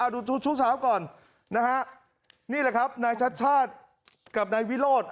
ดูช่วงเช้าก่อนนะฮะนี่แหละครับนายชัดชาติกับนายวิโรธ